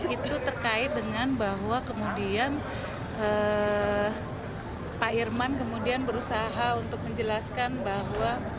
itu terkait dengan bahwa kemudian pak irman kemudian berusaha untuk menjelaskan bahwa